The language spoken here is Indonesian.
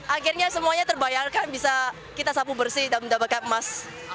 akhirnya semuanya terbayarkan bisa kita sapu bersih dan mendapatkan emas